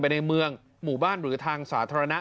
ในเมืองหมู่บ้านหรือทางสาธารณะ